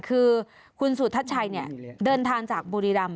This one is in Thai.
คือคุณสูตรทัศน์ชัยเดินทางจากบุรีรัมป์